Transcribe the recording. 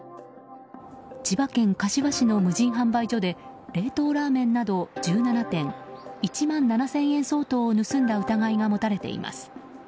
千葉県柏市の無人販売所で冷凍ラーメンなど１７点１万７０００円相当を盗んだ疑いが持たれています。